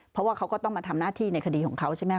เพราะว่าเขาก็ต้องมาทำหน้าที่ในคดีของเขาใช่ไหม